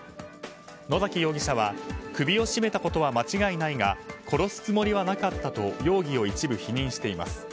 野崎容疑者は首を絞めたことは間違いないが殺すつもりはなかったと容疑を一部否認しています。